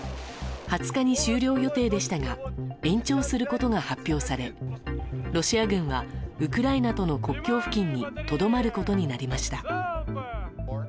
２０日に終了予定でしたが延長することが発表されロシア軍はウクライナとの国境付近にとどまることになりました。